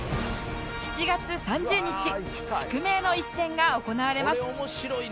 ７月３０日宿命の一戦が行われます